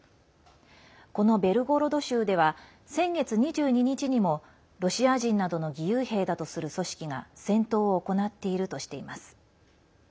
このベルゴロド州では先月２２日にも、ロシア人などの義勇兵だとする組織が戦闘を行っているとしています。